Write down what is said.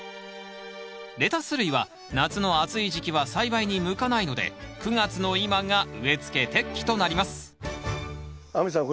レタス類は夏の暑い時期は栽培に向かないので９月の今が植えつけ適期となります亜美さん